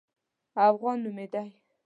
افغان نومېدی.